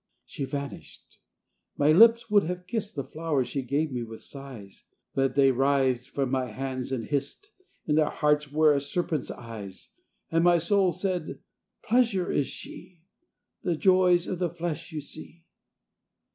She vanished. My lips would have kissed The flowers she gave me with sighs, But they writhed from my hands and hissed, In their hearts were a serpent's eyes. And my soul said, "Pleasure is she. The joys of the flesh you see."